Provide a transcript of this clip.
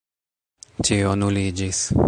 Ĉio nuliĝis.